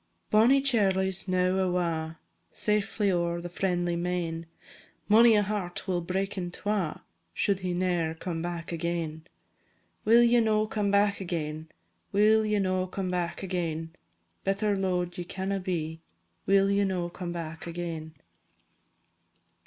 Bonnie Charlie 's now awa', Safely ower the friendly main; Mony a heart will break in twa Should he ne'er come back again. Will ye no come back again? Will ye no come back again? Better lo'ed ye canna be Will ye no come back again?